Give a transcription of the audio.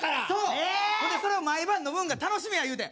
へえそうほんでそれを毎晩飲むんが楽しみや言うてん